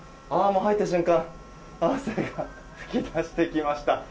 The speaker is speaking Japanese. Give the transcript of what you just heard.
入った瞬間、汗が噴き出してきました。